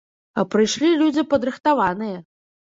А прыйшлі людзі падрыхтаваныя.